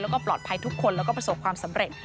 แล้วก็ปลอดภัยทุกคนแล้วก็ประสบความสำเร็จ